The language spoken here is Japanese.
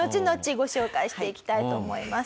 ご紹介していきたいと思います。